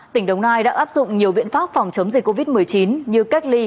tỉnh đồng nai đã áp dụng nhiều biện pháp phòng chống dịch covid một mươi chín như cách ly